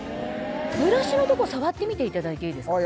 ブラシのとこ触ってみていただいていいですか。